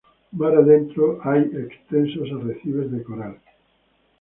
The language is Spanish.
Mar adentro hay extensos arrecifes de coral.